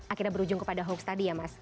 akhirnya berujung kepada hoax tadi ya mas